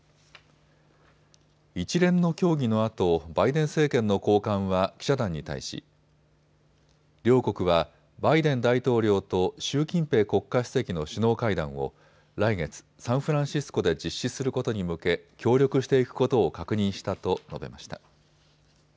一連の協議のあと、バイデン政権の高官は記者団に対し両国はバイデン大統領と習近平国家主席の首脳会談を来月、サンフランシスコで実施することに向け協力していくことを確認したと述べました。